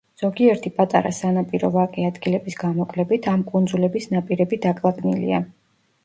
ზოგიერთი პატარა სანაპირო ვაკე ადგილების გამოკლებით, ამ კუნძულების ნაპირები დაკლაკნილია.